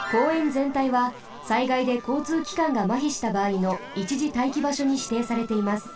ぜんたいは災害でこうつうきかんがまひしたばあいの一時待機場所にしていされています。